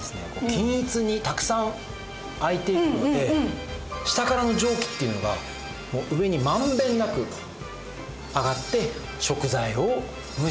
均一にたくさん開いているので下からの蒸気っていうのが上に満遍なく上がって食材を蒸してくれると。